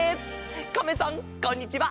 カメさんこんにちは。